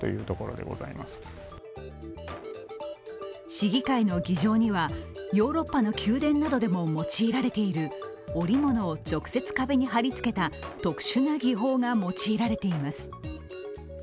市議会の議場には、ヨーロッパの宮殿などでも用いられている織物を直接壁に貼りつけた特殊な技法が用いられています。